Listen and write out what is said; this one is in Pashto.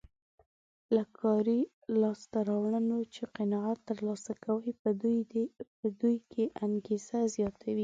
له کاري لاسته راوړنو چې قناعت ترلاسه کوي په دوی کې انګېزه زیاتوي.